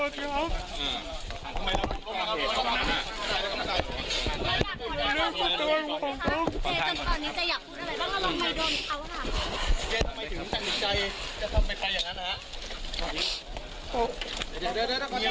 ถึงตอนนี้จะอยากพูดอะไรบ้างหรือลองมาโดนเขาค่ะ